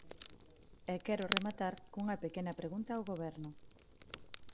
E quero rematar cunha pequena pregunta ao Goberno.